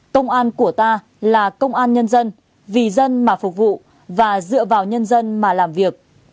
công an của ta là công an nhân dân vì dân mà phục vụ và dựa vào nhân dân mà làm việc